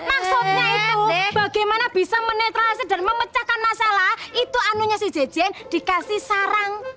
maksudnya bagaimana bisa menetrasi dan memecahkan masalah itu anunya si jjn dikasih sarang